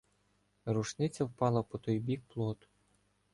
Рушниця впала по той бік плоту.